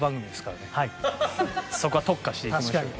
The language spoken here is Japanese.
そこは特化していきましょう。